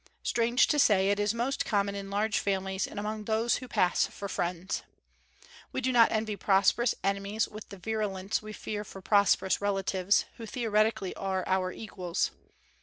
Strange to say, it is most common in large families and among those who pass for friends. We do not envy prosperous enemies with the virulence we feel for prosperous relatives, who theoretically are our equals.